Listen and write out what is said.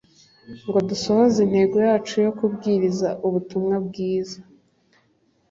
ngo dusohoze intego yacu yo kubwiriza Ubutumwa Bwiza